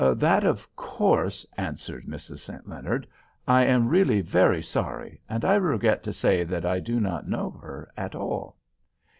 "That of course"—answered Mrs. St. Leonard—"I am really very sorry—and I regret to say that I do not know her at all."